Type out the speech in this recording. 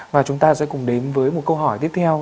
và chúng ta sẽ cùng đến với một câu hỏi tiếp theo